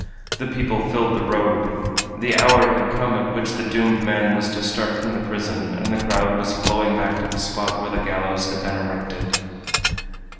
The people filled the road. The hour had come at which the doomed man was to start from the prison, and the crowd was flowing back to the spot where the gallows had been erected.